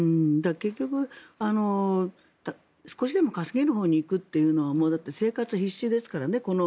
結局、少しでも稼げるほうに行くというのはもう生活は必死ですからね。